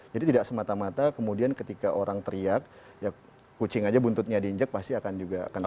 jadi tidak semata mata kemudian ketika orang teriak kucing aja buntutnya diinjak pasti akan juga teriak